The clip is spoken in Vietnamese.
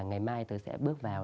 ngày mai tôi sẽ bước vào